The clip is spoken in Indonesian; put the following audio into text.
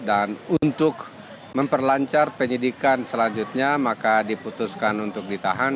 dan untuk memperlancar penyidikan selanjutnya maka diputuskan untuk ditahan